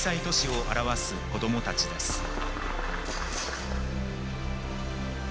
都市を表す子どもたちです。